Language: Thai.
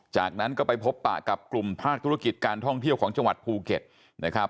จากนั้นก็ไปพบปะกับกลุ่มภาคธุรกิจการท่องเที่ยวของจังหวัดภูเก็ตนะครับ